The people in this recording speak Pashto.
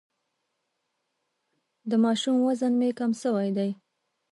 د ماشوم وزن مي کم سوی دی.